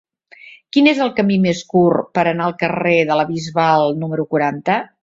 Quin és el camí més curt per anar al carrer de la Bisbal número quaranta?